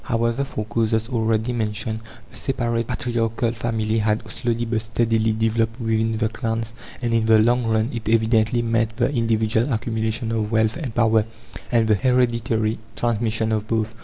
However, for causes already mentioned, the separate patriarchal family had slowly but steadily developed within the clans, and in the long run it evidently meant the individual accumulation of wealth and power, and the hereditary transmission of both.